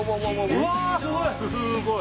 うわすごい！